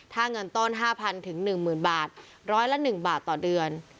ถ้าเงินต้น๕๐๐๑๐๐บาทร้อยละ๑บาทต่อเดือน